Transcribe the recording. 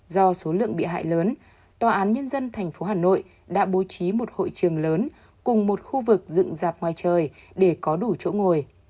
do số lượng bị hại lớn tòa án nhân dân tp hà nội đã bố trí một hội trường lớn cùng một khu vực dựng dạp ngoài trời để có đủ chỗ ngồi